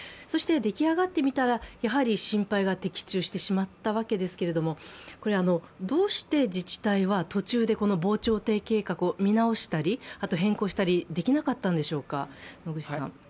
そしてでき上がってみたらやはり心配が的中しまったわけですけれども、どうして自治体は途中で、防潮堤計画を見直したり、変更したりできなかったんでしょうか。